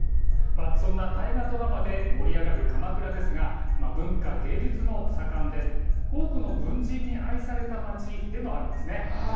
そんな大河ドラマで盛り上がる鎌倉ですが文化、芸術も盛んで多くの文人に愛された街でもあるんです。